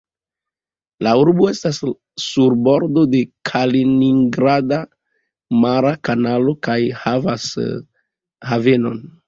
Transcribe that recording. La urbo estas sur bordo de Kaliningrada mara kanalo kaj havas havenon.